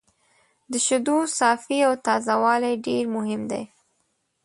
د شیدو صافي او تازه والی ډېر مهم دی.